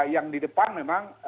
yang di depan memang